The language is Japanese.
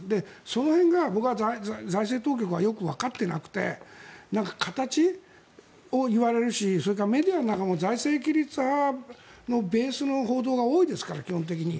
その辺が僕は財政当局はよくわかっていなくて形を言われるしそれからメディアなんかも財政規律派のベースの報道が多いですから、基本的に。